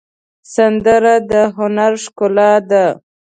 سندره د هنر ښکلا ده